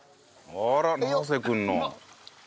あら永瀬君の。